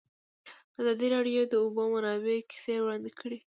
ازادي راډیو د د اوبو منابع کیسې وړاندې کړي.